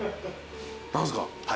何すか？